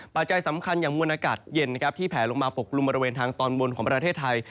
จัยสำคัญอย่างมวลอากาศเย็นที่แผลลงมาปกกลุ่มบริเวณทางตอนบนของประเทศไทย